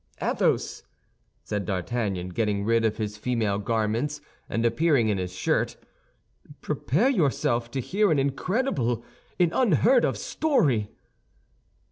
"Athos," said D'Artagnan, getting rid of his female garments, and appearing in his shirt, "prepare yourself to hear an incredible, an unheard of story."